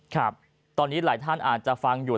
ครับตอนนี้หลายท่านอาจจะฟังอยู่